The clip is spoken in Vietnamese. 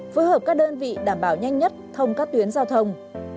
phối hợp các đơn vị đảm bảo nhanh nhất thông các tuyến giao thông